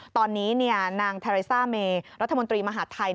ตอนนี้นางเทรซ่าเมย์รัฐมนตรีมหาธัย